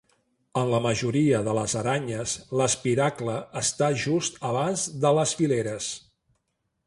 En la majoria de les aranyes l'espiracle està just abans de les fileres.